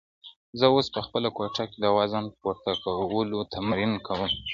زه اوس په خپله کوټه کې د وزن پورته کولو تمرین کوم.